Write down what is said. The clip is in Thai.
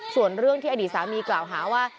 ส่วนเรื่องที่อดีตสามีกล่าวหาว่า